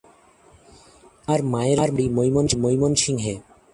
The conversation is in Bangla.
আমার মায়ের বাড়ি ময়মনসিংহে।